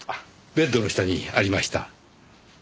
ベッドの下にありました。